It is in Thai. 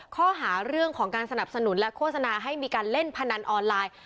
ข้อหาเรื่องของการสนับสนุนและโฆษณาให้มีการเล่นพนันออนไลน์